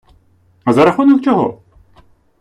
А за рахунок чого?